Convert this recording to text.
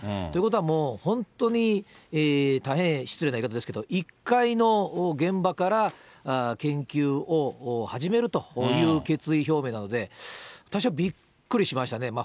ということはもう本当に大変失礼な言い方ですけど、一介の現場から研究を始めるという決意表明なので、私はびっくりしましたね。